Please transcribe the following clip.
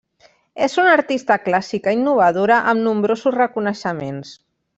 És una artista clàssica innovadora amb nombrosos reconeixements.